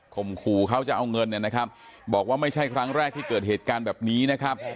ขู่เขาจะเอาเงินเนี่ยนะครับบอกว่าไม่ใช่ครั้งแรกที่เกิดเหตุการณ์แบบนี้นะครับ